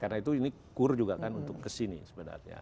karena itu ini kur juga kan untuk kesini sebenarnya